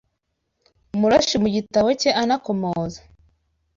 Murashi mu gitabo cye anakomoza